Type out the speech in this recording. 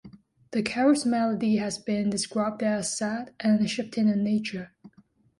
The carol's melody has been described as "sad" and "shifting" in nature.